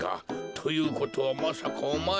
ということはまさかおまえは。